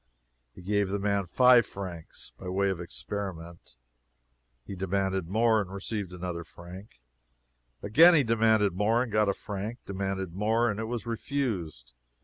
He gave the man five francs, by way of experiment. He demanded more, and received another franc. Again he demanded more, and got a franc demanded more, and it was refused.